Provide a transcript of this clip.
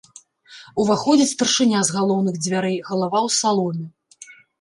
Уваходзіць старшыня з галоўных дзвярэй, галава ў саломе.